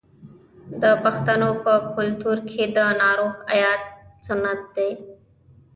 د پښتنو په کلتور کې د ناروغ عیادت سنت دی.